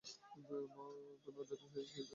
মা তুমি অযথা সিরিয়াস হয়ে যাচ্ছ।